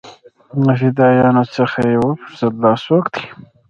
له فدايانو څخه يې وپوښتل دا سوک دې.